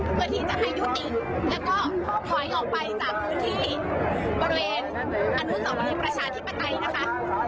เพื่อที่จะให้ยุติแล้วก็ถอยออกไปจากพื้นที่บริเวณอนุสาวรีประชาธิปไตยนะคะ